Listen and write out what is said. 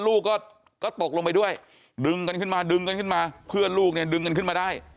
ลูกก็ตกลงไปด้วยดึงกันขึ้นมาดึงกันขึ้นมาเพื่อนลูกเนี่ยดึงกันขึ้นมาได้